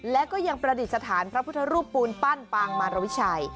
และก็ยังประดิษฐานพระพุทธรูปปูนปั้นปางมารวิชัย